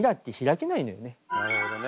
なるほどね。